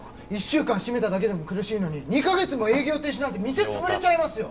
１週間閉めただけでも苦しいのに２カ月も営業停止なんて店潰れちゃいますよ！